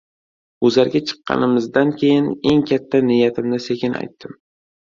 Guzarga chiqqanimizdan keyin, eng katta niyatimni sekin aytdim: